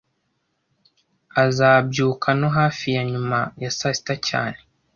Azabyuka no hafi ya nyuma ya saa sita cyane